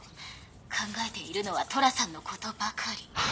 考えているのは虎さんのことばかり。